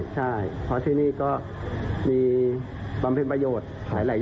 ใช่เพราะที่นี่ก็มีบำเพ็ญประโยชน์หลายอย่าง